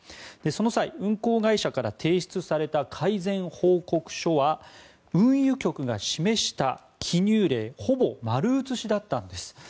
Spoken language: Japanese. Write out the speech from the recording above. その際、運航会社から提出された改善報告書は運輸局が示した記入例ほぼ丸写しだったんです。